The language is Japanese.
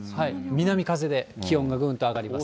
南風で気温がぐーんと上がりますね。